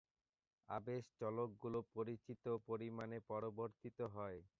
আবেশ চলকগুলো পরিচিত পরিমাণে পরিবর্তিত হয়।